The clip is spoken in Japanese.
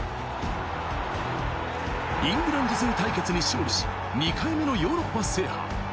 イングランド対決に勝利し、２回目のヨーロッパ制覇。